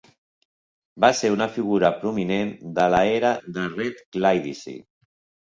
Va ser una figura prominent de l'era de Red Clydeside.